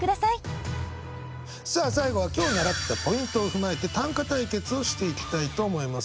さあ最後は今日習ったポイントを踏まえて短歌対決をしていきたいと思います。